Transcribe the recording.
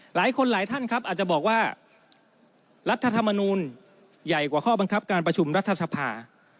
หลายคนหลายท่านครับอาจจะบอกว่ารัฐธรรมนูลใหญ่กว่าข้อบังคับการประชุมรัฐสภา